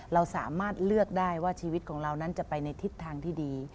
เราสามารถเลือกได้ว่าชีวิตของเรานั้นจะไปในทิศทางที่ดี